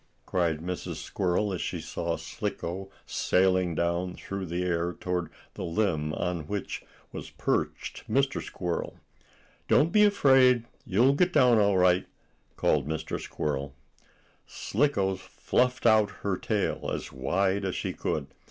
cried Mrs. Squirrel, as she saw Slicko sailing down through the air toward the limb on which was perched Mr. Squirrel. "Don't be afraid. You'll get down all right!" called Mr. Squirrel. Slicko fluffed out her tail as wide as she could.